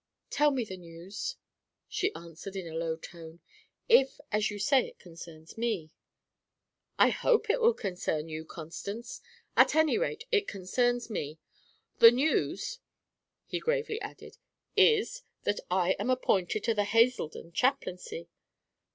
"Tell me the news," she answered in a low tone, "if, as you say, it concerns me." "I hope it will concern you, Constance. At any rate, it concerns me. The news," he gravely added, "is, that I am appointed to the Hazeldon chaplaincy."